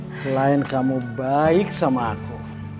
selain kamu baik sama aku